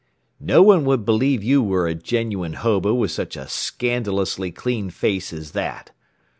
"No one would believe you were a genuine hobo with such a scandalously clean face as that.